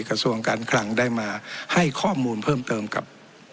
กระทรวงการคลังได้มาให้ข้อมูลเพิ่มเติมกับ